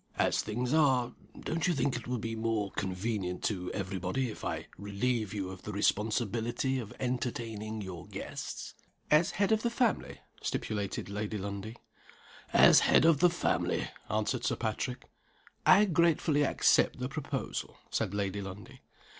As things are, don't you think it will be more convenient to every body if I relieve you of the responsibility of entertaining your guests?" "As head of the family?" stipulated Lady Lundie. "As head of the family!" answered Sir Patrick. "I gratefully accept the proposal," said Lady Lundie.